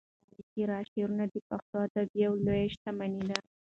د ملکیار شعر د پښتو ادب یوه لویه شتمني ده.